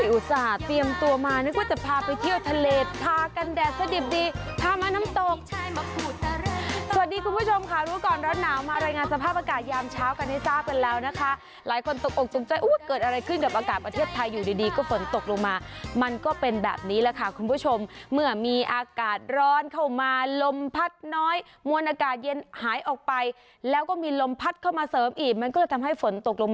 อุตส่าห์เตรียมตัวมานึกว่าจะพาไปเที่ยวทะเลทากันแดดสดิบดีพามาน้ำตกสวัสดีคุณผู้ชมค่ะรู้ก่อนร้อนหนาวมาอะไรงานสภาพอากาศยามเช้ากันให้ทราบกันแล้วนะคะหลายคนตกอกตรงใจอุ๊ยเกิดอะไรขึ้นกับอากาศประเทศไทยอยู่ดีก็ฝนตกลงมามันก็เป็นแบบนี้แหละค่ะคุณผู้ชมเมื่อมีอากาศร้อนเข้ามาล